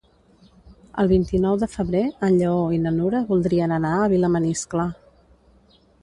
El vint-i-nou de febrer en Lleó i na Nura voldrien anar a Vilamaniscle.